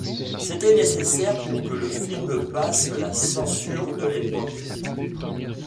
C'était nécessaire pour que le film passe la censure de l’époque.